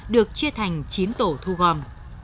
được chia thành chín tổ thu gom